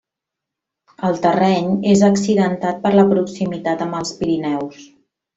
El terreny és accidentat per la proximitat amb els Pirineus.